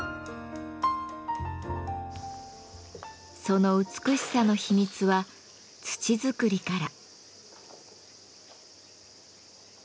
その美しさの秘密は土作りから。